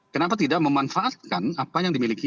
kenapa tidak memanfaatkan apa yang dimiliki